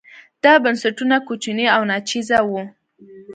دا بنسټونه کوچني او ناچیزه وو.